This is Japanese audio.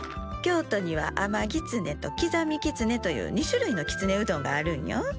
京都には甘ぎつねと刻みきつねという２種類のきつねうどんがあるんよ。